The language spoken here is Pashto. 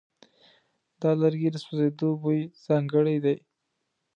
د لرګي د سوځېدو بوی ځانګړی دی.